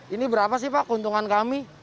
ini berapa sih pak keuntungan kami